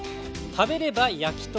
「食べれば焼き鳥」。